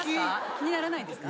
気にならないんですか？